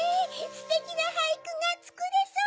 ステキなはいくがつくれそう！